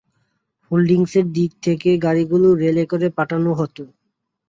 হোল্ডিংসের দিক থেকে গাড়িগুলো রেলে করে পাঠানো হতো।